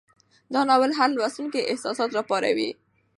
دا ناول د هر لوستونکي احساسات راپاروي.